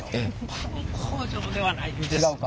パン工場ではないんですわ。